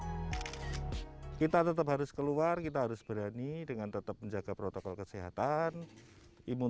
kita tetap harus keluar kita harus berani dengan tetap menjaga protokol kesehatan imun